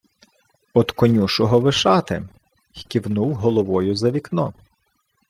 — Од конюшого Вишати... — й кивнув головою за вікно.